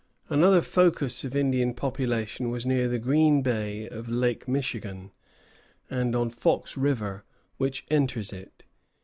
Another focus of Indian population was near the Green Bay of Lake Michigan, and on Fox River, which enters it.